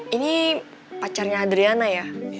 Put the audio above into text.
ini pacarnya adriana ya